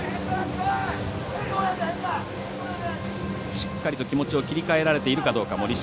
しっかりと気持ちを切り替えられているかどうか森下。